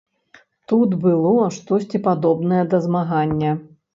Тут было штосьці падобнае да змагання.